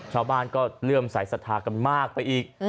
ชาวบ้านก็เริ่มสายศรัทธากันมากไปอีก